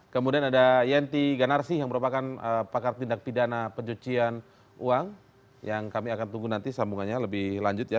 kemudian ada yenti ganarsi yang merupakan pakar tindak pidana pencucian uang yang kami akan tunggu nanti sambungannya lebih lanjut ya